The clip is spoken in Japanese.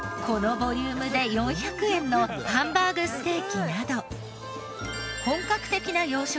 このボリュームで４００円のハンバーグステーキなど。